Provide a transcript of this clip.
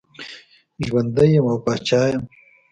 ژوندی یم او پاچا یم.